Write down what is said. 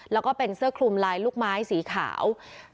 แล้วก็เป็นเสื้อคลุมลายลูกไม้สีขาว